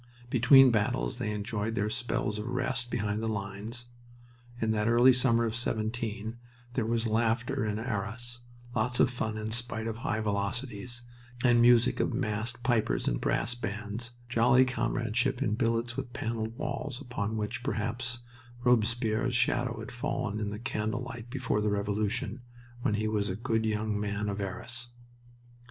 Between battles they enjoyed their spells of rest behind the lines. In that early summer of '17 there was laughter in Arras, lots of fun in spite of high velocities, the music of massed pipers and brass bands, jolly comradeship in billets with paneled walls upon which perhaps Robespierre's shadow had fallen in the candle light before the Revolution, when he was the good young man of Arras.